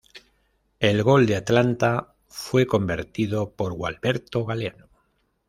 El gol de Atlanta fue convertido por Gualberto Galeano.